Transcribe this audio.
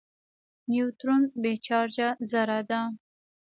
نیوټرون بې چارجه ذره ده.